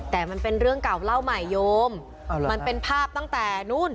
แต่มันเป็นเรื่องเก่าเล่าใหม่โยมมันเป็นภาพตั้งแต่นู้น